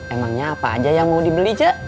emangnya apa aja yang mau dibeli cak